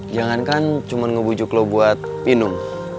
jangankan cuma ngebujuk lu buat minum